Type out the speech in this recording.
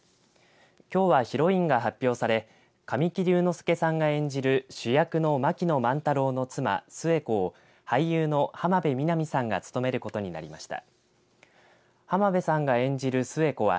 きょうは、ヒロインが発表され神木隆之介さんが演じる主役の槙野万太郎の妻、寿恵子を俳優浜辺美波さんが務めることになりました。